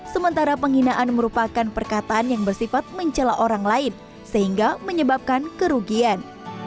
sementara penghinaan merupakan perkataan yang bersifat mencela orang lain sehingga menyebabkan kerugian